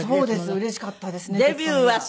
うれしかったですね